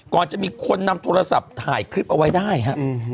ก่อนจะมีคนนำโทรศัพท์ถ่ายคลิปเอาไว้ได้ฮะ